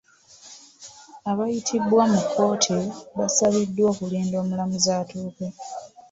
Abaayitibwa mu kkooti basabiddwa okulinda omulamuzi atuuke.